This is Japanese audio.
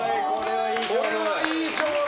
これはいい勝負。